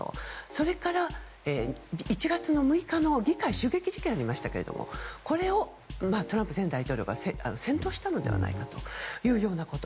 それから、１月の６日の議会襲撃事件がありましたけれどもこれをトランプ前大統領が扇動したのではないかということ。